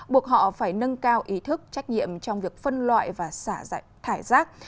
buộc họ phải nâng cao ý thức trách nhiệm trong việc phân loại và thải rác